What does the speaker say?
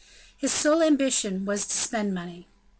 His sole ambition was to spend money.